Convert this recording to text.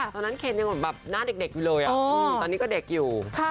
ตอนนั้นเคนยังเหมือนหน้าเด็กเลยตอนนี้ก็เด็กอยู่